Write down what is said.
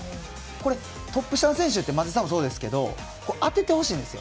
トップ下の選手って松井さんもそうですけど当ててほしいんですよ。